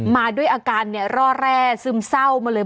มาด้วยอาการเนี่ยร่อแร่ซึมเศร้ามาเลย